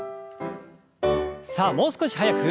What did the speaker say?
さあもう少し速く。